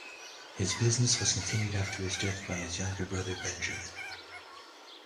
His business was continued after his death by his younger brother, Benjamin.